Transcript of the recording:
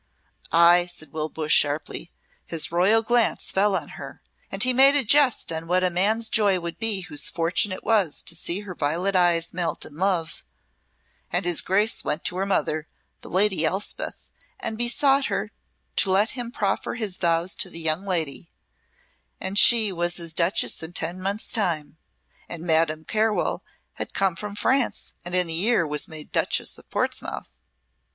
"Ay," said Will Bush, sharply, "his royal glance fell on her, and he made a jest on what a man's joy would be whose fortune it was to see her violet eyes melt in love and his Grace went to her mother, the Lady Elspeth, and besought her to let him proffer his vows to the young lady; and she was his Duchess in ten months' time and Madame Carwell had come from France, and in a year was made Duchess of Portsmouth."